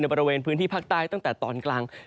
บริเวณพื้นที่ภาคใต้ตั้งแต่ตอนกลาง